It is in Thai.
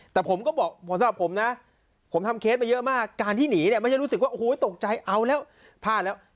แต่ผมก็บอกสำหรับผมนะผมทำเคสมาเยอะมากการที่หนีเนี่ยไม่ใช่รู้สึกว่าโอ้โหตกใจเอาแล้วพลาดแล้ว